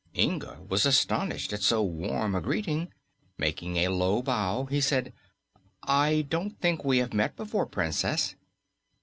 Inga was astonished at so warm a greeting. Making a low bow he said: "I don't think we have met before, Princess."